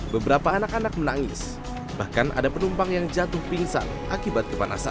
beberapa anak anak menangis bahkan ada penumpang yang jatuh pingsan akibat kepanasan